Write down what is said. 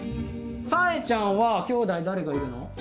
さえちゃんはきょうだい誰がいるの？